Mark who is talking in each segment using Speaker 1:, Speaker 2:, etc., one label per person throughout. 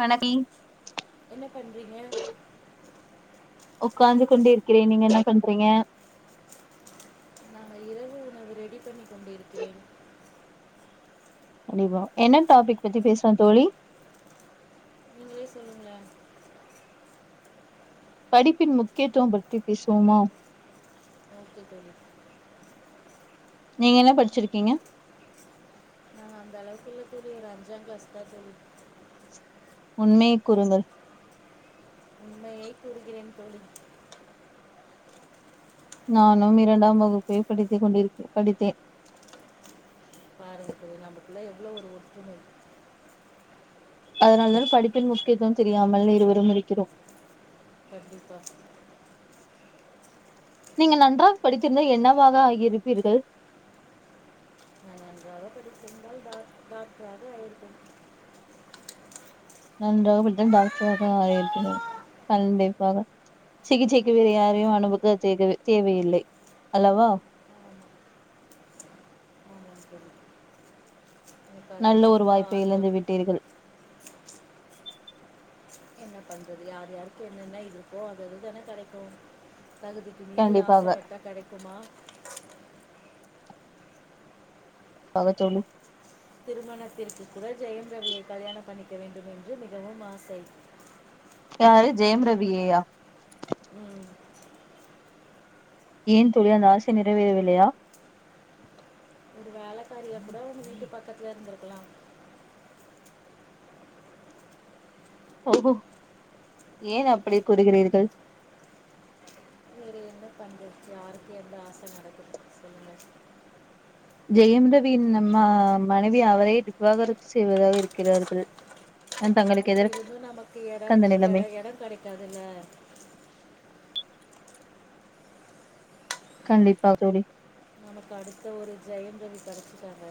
Speaker 1: வணக்கி
Speaker 2: என்ன பண்ணுறீங்க
Speaker 1: உக்காந்து கொண்டு இருக்கிறேன் நீங்க என்ன பண்றீங்க
Speaker 2: நாங்க இரவு உணவு ரெடி பண்ணி கொண்டிருக்கிறேன்
Speaker 1: கண்டிப்பா என்ன டாபிக் பத்தி பேசுவோ தோழி
Speaker 2: நீங்களே சொல்லுங்களே
Speaker 1: படிப்பின் முக்கியத்துவம் பத்தி பேசுவோமா
Speaker 2: ஓகே தோழி
Speaker 1: நீங்க என்ன படிச்சிருக்கீங்க
Speaker 2: நாங்க அந்தளவுக்கு இல்ல தோழி ஒரு அஞ்சாங்க்ளாஸ்தா தோழி
Speaker 1: உண்மைய கூறுங்கள்
Speaker 2: உண்மையை கூறுகிறேன் தோழி
Speaker 1: நானும் இரண்டாம் வகுப்பே படித்து கொண்டிருக்கே படித்தேன்
Speaker 2: பாருங்க தோழி நம்பக்குள்ள எவ்ளோ ஒரு ஒற்றுமை
Speaker 1: அதனால்தான் படிப்பின் முக்கியத்துவம் தெரியாமல் இருவரும் இருக்கிறோ
Speaker 2: கண்டிப்பா
Speaker 1: நீங்க நன்றாக படித்திருந்தா என்னவாக ஆகிருப்பீர்கள்
Speaker 2: நா நன்றாக படித்திருந்தால் டாக் டாக்டராக ஆயிருப்பேன்
Speaker 1: நன்றாக படித்தா டாக்ட்ராக ஆயிரிப்பேனோ கண்டிப்பாக சிகிச்சைக்கு வேறு யாரையு அனுபக சேகவே தேவையில்லை அல்லவா
Speaker 2: நமஸ்காரம்
Speaker 1: நல்ல ஒரு வாய்ப்பை இழந்து
Speaker 2: ஆர்வம்
Speaker 1: விட்டீர்கள்
Speaker 2: என்ன பண்றது யார் யாருக்கு என்னென்ன இருக்கோ அது அது தான கெடைக்கு தகுதிக் கி மீறி
Speaker 1: கண்டிப்பாக
Speaker 2: ஆசப்பட்டா கெடைக்குமா
Speaker 1: பாக தோழி
Speaker 2: திருமணத்திற்கு கூட ஜெயம் ரவியை கல்யாணம் பண்ணிக்க வேண்டும் என்று மிகவும் ஆசை
Speaker 1: யாரு ஜெயம் ரவியையா
Speaker 2: ம்
Speaker 1: ஏன் தோழி அந்த ஆசை நிறைவேறவில்லயா
Speaker 2: ஒரு வேலக்காரியா கூட அவுங்க வீட்டு பக்கத்துல இருந்திருக்கலாம்
Speaker 1: ஓஹோ ஏன் அப்படி கூறுகிறீர்கள்
Speaker 2: வேற என்ன பண்றத் யாருக்கு எந்த ஆச நடக்குது சொல்லுங்க
Speaker 1: ஜெயம் ரவியின் நம்ம மனைவி அவரே டிவ் விவாகரத்து செய்வதாக இருக்கிறார்கள் நான் தங்களுக்கு
Speaker 2: அப்டி
Speaker 1: எதற்கு
Speaker 2: இருந்து நமக்கு எடம்
Speaker 1: அந்த
Speaker 2: கட
Speaker 1: நிலைமை
Speaker 2: எடங் கடைக்காதுல்ல
Speaker 1: கண்டிப்பா தோழி
Speaker 2: நமக்கு அடுத்த ஒரு ஜெயம் ரவி கெடச்சிட்டாங்க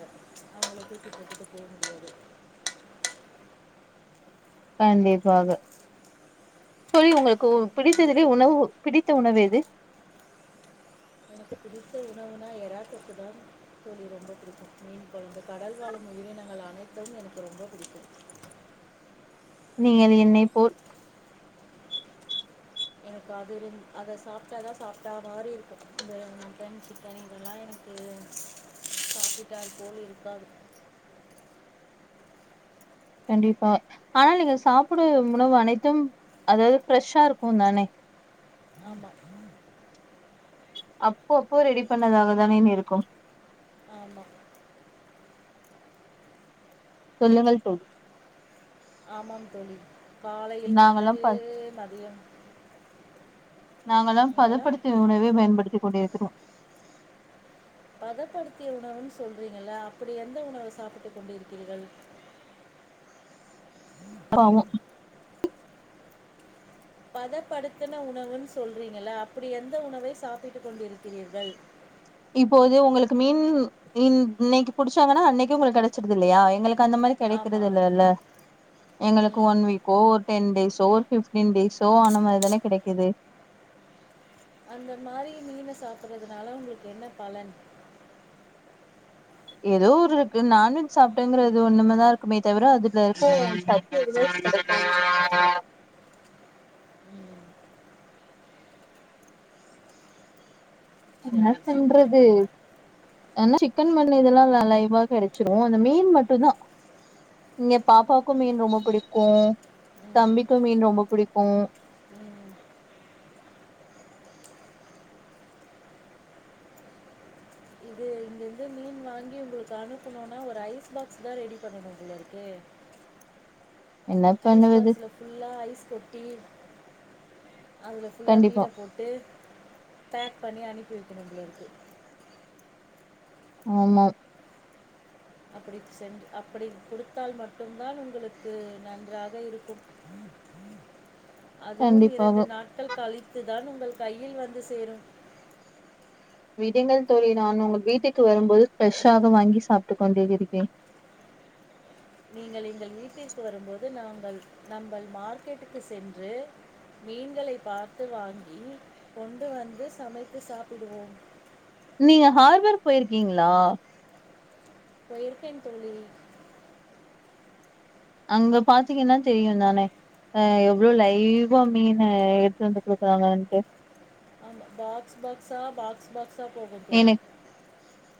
Speaker 2: அவளுக்கு கிட்டத்தட்டு போ முடியாது
Speaker 1: கண்டிப்பாக தோழி உங்களுக்கு
Speaker 2: அந்த
Speaker 1: பிடித்ததுலயே
Speaker 2: நாய்த்தோடு
Speaker 1: உணவு பிடித்த உணவு எது
Speaker 2: எனக்கு பிடித்த உணவுனா எராதொக்கு தா தோழி ரொம்ப புடிக்கு மீன் கொழம்பு கடல் வாழும் உயிரினங்கள் அனைத்தும் எனக்கு ரொம்ப புடிக்கும்
Speaker 1: நீங்கள் என்னை போல்
Speaker 2: எனக்கு அதுந் அத சாப்ட்டா தா சாப்ட்டா மாரி இருக்கு இந்த மட்டன் சிக்கன் இதெல்லா எனக் கு சாப்பிட்டால் போல் இருக்காது
Speaker 1: கண்டிப்பா ஆனா நீங்க சாப்படும் உணவு அனைத்தும் அதாவ்து ஃப்ரெஷ்ஷா இருக்கு தானே
Speaker 2: ஆமா
Speaker 1: அப்பப்போ ரெடி பண்ணதாக தானேன் இருக்கும்
Speaker 2: ஆமா
Speaker 1: சொல்லங்கள் தோழி
Speaker 2: ஆமாம் தோழி காலையில்
Speaker 1: நாங்கெல்லாம்
Speaker 2: பண்ணது
Speaker 1: ப
Speaker 2: மதியம்
Speaker 1: நாங்கெல்லாம்
Speaker 2: நீங்கலா
Speaker 1: பதப்படுத்திய உணவே பயன்டுத்தி கொண்டிருக்கிறோ
Speaker 2: பதப்படுத்திய உணவுன்னு சொல்றீங்கல்ல அப்டி எந்த உணவு சாப்பிட்டு கொண்டிருக்கிறீர்கள்
Speaker 1: ப்ராவு
Speaker 2: பதப்படுத்தன உணவுன்னு சொல்றீங்கல்ல அப்டி எந்த உணவை சாப்பிட்டு கொண்டிருக்கிறீர்கள்
Speaker 1: இப்போது உங்களுக்கு மீன் மீன் இன்னைக்கு புடிச்சாங்கன்னா அன்னைக்கே உங்களுக் கெடச்சிருது இல்லயா எங்களுக்கு அந்த மாரி கெடைக்கறது
Speaker 2: ஆமாம்
Speaker 1: இல்லேல்ல எங்களுக்கு
Speaker 2: ம்
Speaker 1: ஒன் வீக் கோ டென் டேஸோ ஒரு ஃப்ஃப்டீன் டேஸோ ஆன மாரிதான கெடைக்குது
Speaker 2: அந்த மாரி மீன சாப்பறதுனால உங்களுக்கு என்ன பலன்
Speaker 1: எதோ ஒரு இருக்கு நான்வெஜ் சாப்ட்டேங்கறது ஒன்னுமே தா இருக்குமே தவிர அது [inaudible] இருக்காது [inaudible]
Speaker 2: ம்
Speaker 1: என்னா
Speaker 2: சரி சரி
Speaker 1: தின்றது ஆனா சிக்கன் மட்டன் இதெல்லா இல்ல லைவா கெடச்சிரு அந்த மீன் மட்டுதா இங்க பாப்பாக்கு மீன் ரொம்போ புடிக்கு
Speaker 2: ம்,
Speaker 1: தம்பிக்கு மீன் ரொம்போ புடிக்கு
Speaker 2: ம் இது இங்கிருந்து மீன் வாங்கி உங்களுக்கு அனுப்பணுனா ஒரு ஐஸ் பாக்ஸ் தா ரெடி பண்ணணு போலயிருக்கே
Speaker 1: என்ன
Speaker 2: ஐஸ்
Speaker 1: பண்ணுவது
Speaker 2: பாக்ஸ்ல ஃபுல்லா ஐஸ் கொட்டி அதில ஃபுல்லா
Speaker 1: கண்டிப்பா
Speaker 2: மீன போட்டு பேக் பண்ணி அனுப்பி வெக்கணு போல இருக்கு
Speaker 1: ஆமா
Speaker 2: அப்டி சென் அப்டி குடுத்தால் மட்டு தான் உங்களுக்கு நன்றாக இருக்கும் அதுவும்
Speaker 1: கண்டிப்பாக
Speaker 2: இரண்டு நாட்கள் கழித்துதான் உங்கள் கையில் வந்து சேரும்
Speaker 1: விடுங்கள் தோழி நான் உங்க வீட்டுக்கு வரும்போது ஃப்ரெஷ்ஷாக வாங்கி சாப்பிட்டு கொண்டே இருக்கே
Speaker 2: நீங்கள் எங்கள் வீட்டிற்கு வரும்போது நாங்கள் நம்பல் மார்க்கெட்டுக்கு சென்று மீன்களை பார்த்து வாங்கி கொண்டு வந்து சமைத்து சாப்பிடுவோம்
Speaker 1: நீங்க ஹார்பர் போயிருக்கீங்ளா
Speaker 2: போயிருக்கேன் தோழி
Speaker 1: அங்க பாத்தீங்கன்னா தெரியுந்தான அ எவ்ளோ லைவ்வா மீன எடுத்து வந்து குடுக்குறாங்க இங்குட்டு
Speaker 2: பாக்ஸ் பாக்ஸா பாக்ஸ் பாக்ஸா போகும் தோழி
Speaker 1: எனக்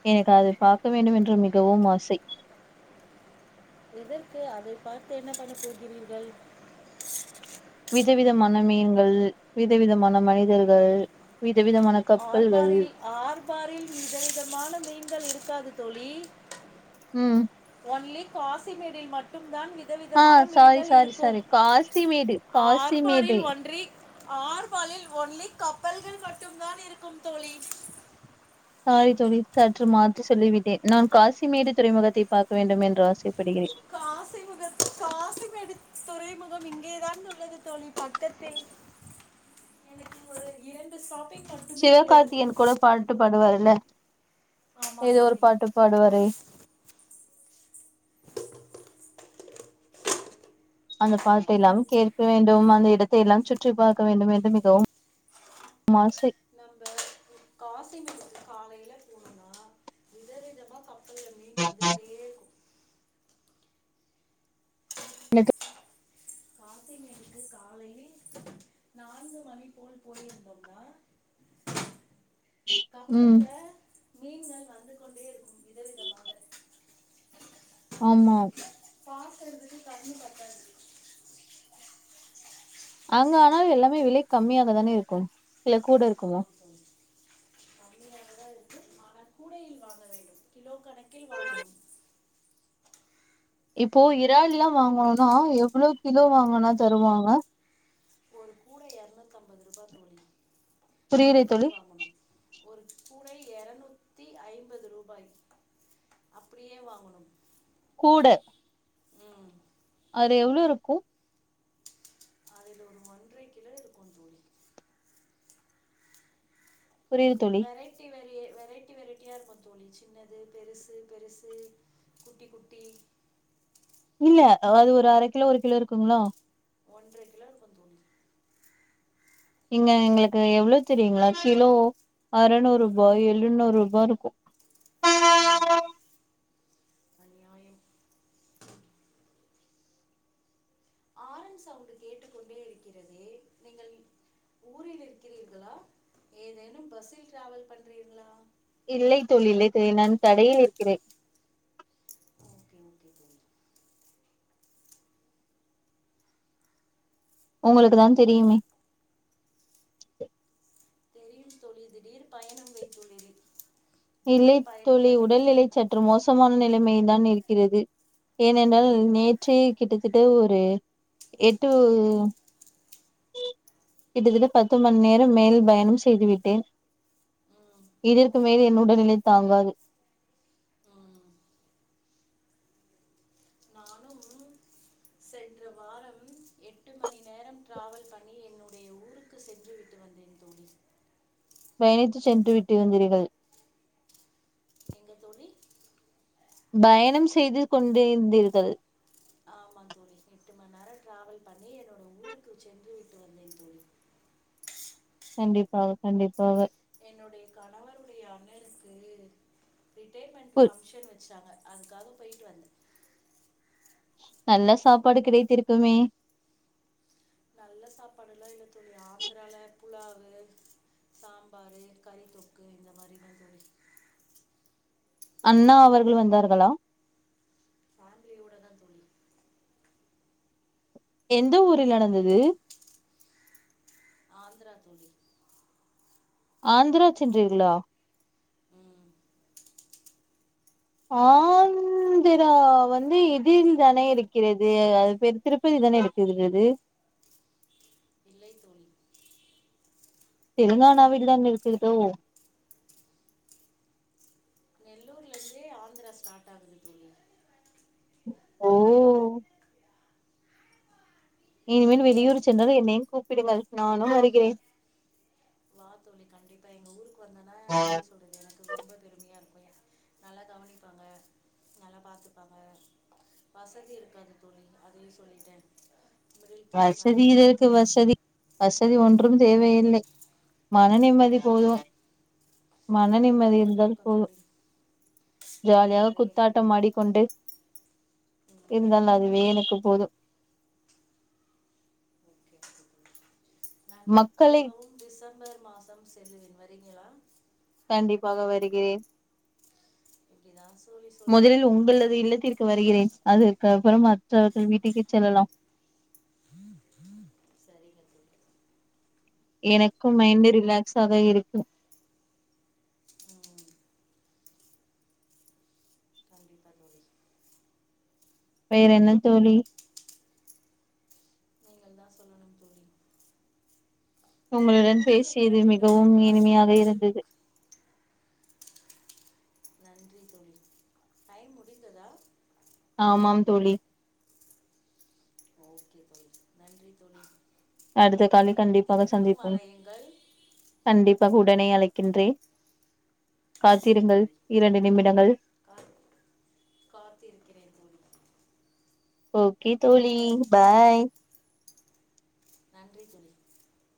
Speaker 1: எனக்கு அதை பார்க்க வேண்டுமென்று மிகவும் ஆசை
Speaker 2: எதற்கு அதை பார்த்து என்ன பண்ணப்போகிறீர்கள்
Speaker 1: விதவிதமான மீன்கள் விதவிதமான மனிதர்கள் வித விதமான
Speaker 2: ஆர்பாரில் ஆர்பாரில் விதவிதமான மீன்கள் இருக்காது தோழி
Speaker 1: ம்
Speaker 2: ஒன்லி காசிமேடில் மட்டும் தான் விற்
Speaker 1: ஆ
Speaker 2: விதவிதமான
Speaker 1: சாரி
Speaker 2: மீன்கள்
Speaker 1: சாரி
Speaker 2: இருக்கும்
Speaker 1: சாரி காசிமேடு காசிமேடு
Speaker 2: ஆர்பாரில் ஒன்றி ஆர்பாலில் ஒன்லி கப்பல்கள் மட்டும் தான் இருக்கும் தோழி
Speaker 1: சாரி தோழி சற்று மாற்றி சொல்லிவிட்டேன் நான் காசிமேடு துறைமுகத்தை பார்க்க வேண்டும் என்று ஆசைப்படுகிறேன்
Speaker 2: காசி முக காசிமேடு துறைமுகம் இங்கேதான் உள்ளது தோழி பக்கத்தில் எனக்கு ஒரு இரண்டு ஷாப்பிங் மட்டுமே உள்ளது
Speaker 1: சிவகார்த்திகேயன் கூட பாட்டு பாடுவாருல்ல
Speaker 2: ஆமாம்
Speaker 1: ஏதோ ஒரு
Speaker 2: தோழி
Speaker 1: பாட்டு பாடுவாரே அந்த பாட்டெல்லாம்
Speaker 2: எஸ்.
Speaker 1: கே வேண்டும் அந்த இடத்தை எல்லாம் சுற்றி பார்க்க வேண்டும் என்று மிகவும் ஆசை
Speaker 2: நம்ப போவோ காசிமேடுக்கு காலையில போணுன்னா விதவிதமா கப்பல்ல மீன் வந்துட்டே இருக்கும்
Speaker 1: என்ன தோ
Speaker 2: காசிமேடுக்கு காலையில் நான்கு மணி போல் போயிருந்தோம்னா
Speaker 1: ம்
Speaker 2: கப்பல்ல மீன்கள் வந்து கொண்டே இருக்கும் விதவிதமாக
Speaker 1: ஆமாம்
Speaker 2: பாக்கறதுக்கு கண்ணு பத்தாது
Speaker 1: அங்க ஆனாலு எல்லாமே விலை கம்மியாக தானே இருக்கும் இல்ல கூட இருக்குமா
Speaker 2: ஆமாம் தோழி கம்மியாகதா இருக்கு ஆனால் கூடையில் வாங்க வேண்டும் கிலோ கணக்கில் வாங்கணும்
Speaker 1: இப்போ இறால்லா வாங்கணும்னா எவ்ளோ கிலோ வாங்குனா தருவாங்க
Speaker 2: ஒரு கூட இரநூத்தம்பது ரூபா தோழி
Speaker 1: புரியுதா
Speaker 2: அப்படியே
Speaker 1: தோழி
Speaker 2: வாங்கனு ஒரு கூடை இரநூத்தி ஐம்பது ரூபாய் அப்படியே வாங்கணும்
Speaker 1: கூட
Speaker 2: ம்
Speaker 1: அது எவ்ளோ இருக்கு
Speaker 2: அதுல ஒரு ஒன்றரை கிலோ இருக்கு தோழி
Speaker 1: புரியுது தோழி
Speaker 2: வெரைட்டி வெரியே வெரைட்டி வெரைட்டியா இருக்கும் தோழி சின்னது பெருசு பெருசு குட்டி குட்டி
Speaker 1: இல்ல அது ஒரு அரக் கிலோ ஒரு கிலோ இருக்குங்களா
Speaker 2: ஒன்றரை கிலோ இருக்கும் தோழி
Speaker 1: இங்க எங்களுக்கு எவ்ளவு தெரியுங்களா கிலோ அறநூறு ரூபா எழுநூறு ரூபா இருக்கு
Speaker 2: ம் அநியாயம் ஆரண் சவுண்டு கேட்டுக்கொண்டே இருக்கிறதே நீங்கள் ஊரில் இருக்கிறீர்களா ஏதேனும் பஸ்ஸில் டிராவல் பண்றீங்ளா
Speaker 1: இல்லை தோழி இல்லை தோழி நான் கடையில் இருக்கிறேன்
Speaker 2: ஓகே ஓகே தோழி
Speaker 1: உங்களுக்கு தான் தெரியுமே
Speaker 2: தெரியும் தோழி திடீர் பயணம் வைத்துள்ளிறே
Speaker 1: இல்லைத் தோழி உடல்நிலை சற்று மோசமான நிலைமையில் தான் இருக்கிறது ஏனென்றால்
Speaker 2: ம்
Speaker 1: நேற்றே கிட்டத்தட்ட ஒரு எட்டு கிட்டத்தட்ட பத்து மண்நேரம் மேல் பயணம் செய்துவிட்டேன்
Speaker 2: ம்
Speaker 1: இதற்கு மேல் என் உடல்நிலை தாங்காது
Speaker 2: ம் நானும் சென்ற வாரம் எட்டு மண்நேரம் ட்ராவல் பண்ணி என்னுடைய ஊருக்கு சென்றுவிட்டு வந்தேன் தோழி
Speaker 1: பயணித்து சென்று விட்டிருந்தீர்கள்
Speaker 2: எங்க தோழி
Speaker 1: பயணம் செய்து கொண்டு இருந்தீர்கள்
Speaker 2: ஆமா தோழி எட்டு மண்நேரம் டிராவல் பண்ணி என்னோட ஊருக்கு சென்று விட்டு வந்தேன் தோழி
Speaker 1: கண்டிப்பாக கண்டிப்பாக
Speaker 2: என்னுடைய கணவருடைய அண்ணனுக்கு ரிட்டையர்மெண்ட் ஃபங்க்ஷன் வச்சாங்க அதுக்காக போயிட்டு வந்த
Speaker 1: நல்ல சாப்பாடு கிடைத்திருக்குமே
Speaker 2: நல்ல சாப்பாடு எல்லா இல்ல தோழி ஆந்திரால புலாவு சாம்பாரு கறி தொக்கு இந்த மாரிதா தோழி
Speaker 1: அண்ணா அவர்கள் வந்தார்களா
Speaker 2: ஃபேமிலியோடதா தோழி
Speaker 1: எந்த ஊரில் நடந்தது
Speaker 2: ஆந்தரா தோழி
Speaker 1: ஆந்தரா சென்றீர்களா
Speaker 2: ம்
Speaker 1: ஆந் ஆந்திரா வந்து இதில் தான இருக்கிறது அது பேர் திருப்பதி தானே இருக்கிறது
Speaker 2: இல்லை தோழி
Speaker 1: தெலுங்கானாவில் தான் இருக்கிறதோ
Speaker 2: நெல்லூர்லருந்தே ஆந்தரா ஸ்டார்ட் ஆகுது தோழி
Speaker 1: ஓ இனிமேனு வெளியூரு சென்றால் என்னையு கூப்பிடுங்கள் நானும் வருகிறேன்
Speaker 2: வா தோழி கண்டிப்பா எங்க ஊருக்கு வந்தன்னா எப்டி சொல்றது எனக்கு ரொம்ப பெருமையா இருக்கு எ நல்லா கவனிப்பாங்க நல்லா பாத்துப்பாங்க வசதி இருக்காது தோழி அதையு சொல்லிட்டே
Speaker 1: வசதி இருக்கு வசதி வசதி ஒன்றும் தேவையில்லை மன நிம்மதி போது
Speaker 2: ம்,
Speaker 1: மன
Speaker 2: அது
Speaker 1: நிம்மதி
Speaker 2: நிறைய
Speaker 1: இருந்தால்
Speaker 2: கிடைக்கும்
Speaker 1: போது
Speaker 2: தோழி அது
Speaker 1: ஜாலியாக
Speaker 2: நிறைய
Speaker 1: குத்தாட்டம்
Speaker 2: கிடைக்கும்
Speaker 1: ஆடிக்கொண்டு
Speaker 2: ம்,
Speaker 1: இருந்தால் அதுவே எனக்கு போது
Speaker 2: ஓகே ஓகே தோழி நான்
Speaker 1: மக்களை
Speaker 2: திரும்பவும் டிசம்பர் மாசம் செல்லுவேன் வரீங்களா
Speaker 1: கண்டிப்பாக வருகிறேன்
Speaker 2: இப்டிதா சோழி சொல்றீங்க
Speaker 1: அது இல்லத்திற் கு வருகிறேன் அதுக்கப்பற மற்றவர்கள்
Speaker 2: ம்
Speaker 1: வீட்டுக்கு செல்லலாம்
Speaker 2: சரிங்க தோழி
Speaker 1: எனக்கு மைண்டு ரிலாக்ஸ் ஆக இருக்கு
Speaker 2: ம் கண்டிப்பா தோழி
Speaker 1: வேறென்ன தோழி
Speaker 2: கள்தா சொல்லணும் தோழி உங்கள்
Speaker 1: உங்களுடன்
Speaker 2: ஊருக்கு வர
Speaker 1: பேசியது
Speaker 2: வேண்டும்
Speaker 1: மிகவும்
Speaker 2: என்றால்
Speaker 1: இனிமையாக
Speaker 2: எங்களுக்கு
Speaker 1: இருந்தது
Speaker 2: நன்றி தோழி டைம் முடிந்ததா
Speaker 1: ஆமாம் தோழி
Speaker 2: ஓகே தோழி நன்றி தோழி
Speaker 1: அடுத்த காலில் கண்டிப்பாக
Speaker 2: திரும்பவும்
Speaker 1: சந்திப்போம்
Speaker 2: அலையுங்கள்
Speaker 1: கண்டிப்பாக உடனே அழைக்கின்றே காத்திருங்கள் இரண்டு நிமிடங்கள்
Speaker 2: காத் காத்திருக்கிறேன் தோழி
Speaker 1: ஓகே தோழி பாய்
Speaker 2: நன்றி தோழி